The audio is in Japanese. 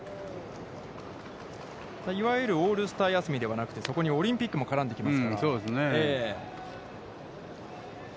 いわゆるオールスター休みではなくて、そこにオリンピックも絡んできますから。